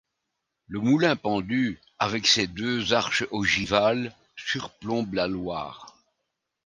Le Moulin-Pendu, avec ses deux arches ogivales, surplombe la Loire.